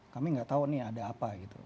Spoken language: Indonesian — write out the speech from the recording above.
kami nggak tahu nih ada apa gitu